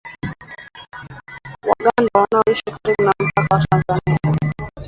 Waganda wanaoishi karibu na mpaka wa Tanzania